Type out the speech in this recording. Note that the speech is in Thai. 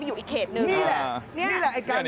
แขวงอีกแขวงนึงก็จะมาอยู่อีกเขตนึง